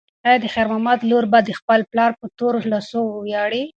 ایا د خیر محمد لور به د خپل پلار په تورو لاسو وویاړي؟